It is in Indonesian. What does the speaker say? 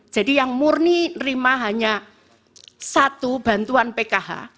yang murni nerima hanya satu bantuan pkh